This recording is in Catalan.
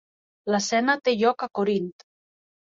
L'escena té lloc a Corint.